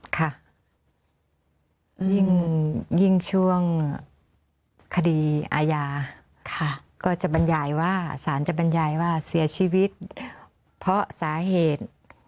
ค่ะยิ่งช่วงคดีอาญาก็จะบรรยายว่าสารจะบรรยายว่าเสียชีวิตเพราะสาเหตุ